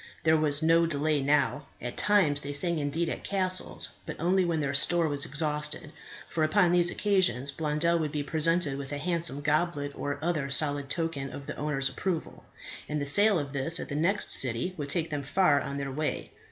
There was no delay now. At times they sang indeed at castles; but only when their store was exhausted, for upon these occasions Blondel would be presented with a handsome goblet or other solid token of the owner's approval, and the sale of this at the next city would take them far on their way.